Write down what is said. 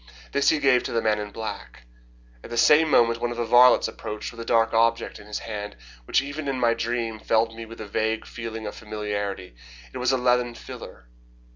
This he gave to the man in black. At the same moment one of the varlets approached with a dark object in his hand, which even in my dream filled me with a vague feeling of familiarity. It was a leathern filler.